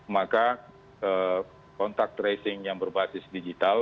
maka kontak tracing yang berbasis digital